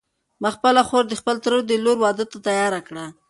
ما خپله خور د خپل تره د لور واده ته تیاره کړه.